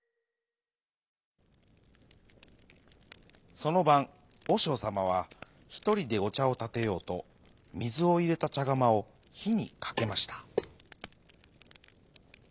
そのばんおしょうさまはひとりでおちゃをたてようとみずをいれたちゃがまをひにかけました。